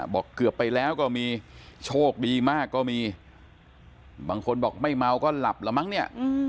เกือบไปแล้วก็มีโชคดีมากก็มีบางคนบอกไม่เมาก็หลับละมั้งเนี่ย